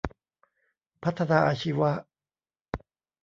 พัฒนาอาชีวะ